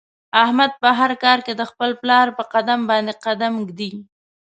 احمد په هر کار کې د خپل پلار په قدم باندې قدم ږدي.